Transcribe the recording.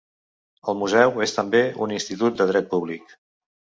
El museu és també un Institut de dret públic.